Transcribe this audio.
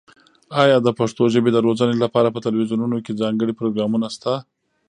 ایا د پښتو ژبې د روزنې لپاره په تلویزیونونو کې ځانګړي پروګرامونه شته؟